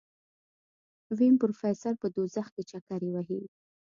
ويم پروفيسر په دوزخ کې چکرې وهي.